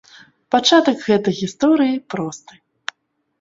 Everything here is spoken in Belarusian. Пачатак гэтай гісторыі просты.